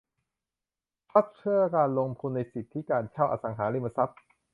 ทรัสต์เพื่อการลงทุนในสิทธิการเช่าอสังหาริมทรัพย์